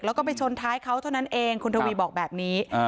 แล้วก็ไปชนท้ายเขาเท่านั้นเองคุณทวีบอกแบบนี้